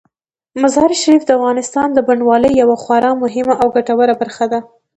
مزارشریف د افغانستان د بڼوالۍ یوه خورا مهمه او ګټوره برخه ده.